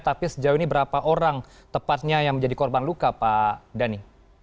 tapi sejauh ini berapa orang tepatnya yang menjadi korban luka pak dhani